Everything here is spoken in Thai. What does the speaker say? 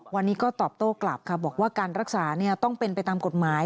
วันนี้ก็ตอบโต้กลับค่ะบอกว่าการรักษาต้องเป็นไปตามกฎหมาย